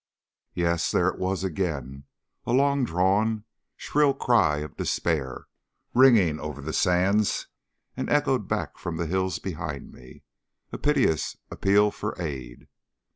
Yes, there it was again a long drawn, shrill cry of despair, ringing over the sands and echoed back from the hills behind me a piteous appeal for aid.